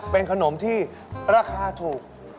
เป็นขนมที่ราคาถูก